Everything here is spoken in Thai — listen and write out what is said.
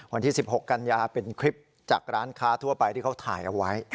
วันที่๑๖กันยาเป็นคลิปจากร้านค้าทั่วไปที่เขาถ่ายเอาไว้